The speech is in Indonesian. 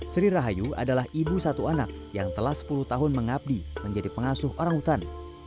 seri rahayu adalah ibu satu anak yang telah sepuluh tahun mengabdi menjadi pengasuh orangutan